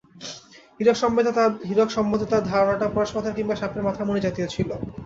হীরক সম্বন্ধে তাহার ধারণাটা পরশপাথর কিংবা সাপের মাথার মণি জাতীয় ছিল।